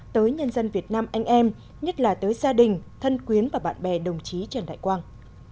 tới nhân dân việt nam anh em nhất là tới gia đình thân quyến và bạn bè đồng chí trần đại quang